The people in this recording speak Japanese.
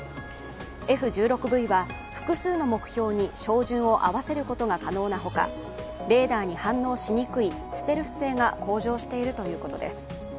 Ｆ１６−Ｖは複数の目標に照準を合わせることが可能なほかレーダーに反応しにくいステルス性が向上しているということです。